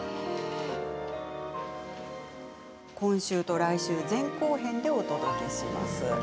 今週と来週前後編でお届けします。